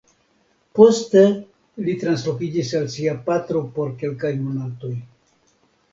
Poste li translokiĝis al sia patro por kelkaj monatoj.